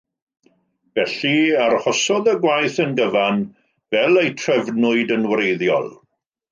Felly, arhosodd y gwaith yn gyfan fel y'i trefnwyd yn wreiddiol.